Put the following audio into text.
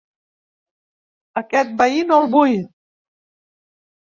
Aquest veí no el vull.